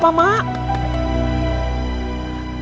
patah kenapa ma